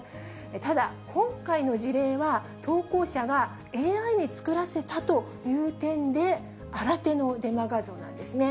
ただ、今回の事例は、投稿者がＡＩに作らせたという点で、新手のデマ画像なんですね。